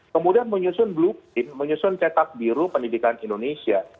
kemudian menyusun blue pin menyusun cetak biru pendidikan indonesia